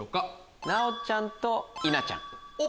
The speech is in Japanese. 奈央ちゃんと稲ちゃん。